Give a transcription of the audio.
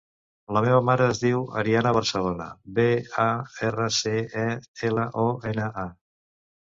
La meva mare es diu Ariana Barcelona: be, a, erra, ce, e, ela, o, ena, a.